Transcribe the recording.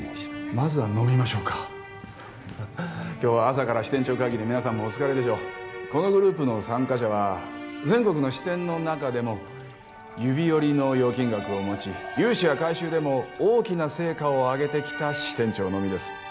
まずは飲みましょうか今日は朝から支店長会議で皆さんもお疲れでしょうこのグループの参加者は全国の支店の中でも指折りの預金額を持ち融資や回収でも大きな成果をあげてきた支店長のみです